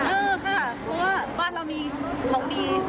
เออค่ะเพราะว่าบ้านเรามีของดี